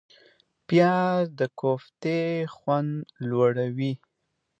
پیاز د کوفتې خوند لوړوي